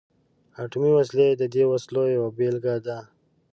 اتمي وسلې د دې وسلو یوه بیلګه ده.